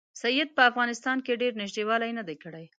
سید په افغانستان کې ډېر نیژدې والی نه دی کړی.